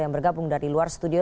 yang bergabung dari luar studio